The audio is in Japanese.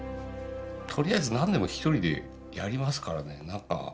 とりあえずなんでも一人でやりますからね。